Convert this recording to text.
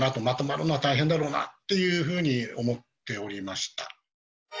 まとまるのは大変だろうなっていうふうに思っておりました。